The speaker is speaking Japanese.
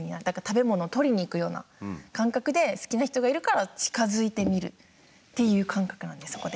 だから食べ物取りに行くような感覚で好きな人がいるから近づいてみるっていう感覚なんです。